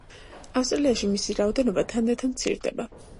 ავსტრალიაში მისი რაოდენობა თანდათან მცირდება.